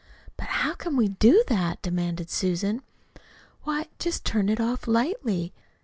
'" "But how can we do that?" demanded Susan. "Why, just turn it off lightly.